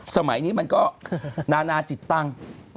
สมัยนี้มันก็นานาจิตตังค์